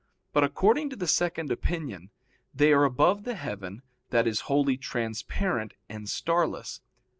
But according to the second opinion, they are above the heaven that is wholly transparent and starless.